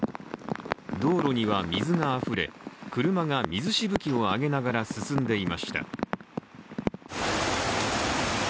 道路には水があふれ車が水しぶきを上げながら走っていました。